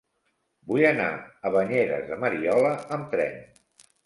Vull anar a Banyeres de Mariola amb tren.